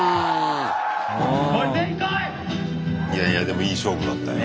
いやいやでもいい勝負だったよ。